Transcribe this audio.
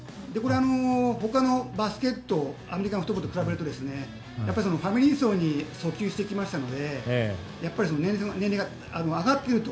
他のバスケットやアメリカンフットボールと比べると、ファミリー層に訴求してきましたのでやっぱり年齢が上がっていると。